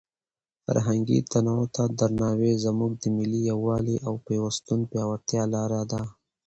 فرهنګي تنوع ته درناوی زموږ د ملي یووالي او پیوستون د پیاوړتیا لاره ده.